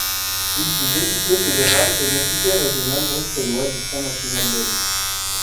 Il fut député fédéral et député régional bruxellois du Front national belge.